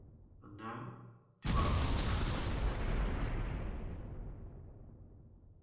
And now, to our own happenings.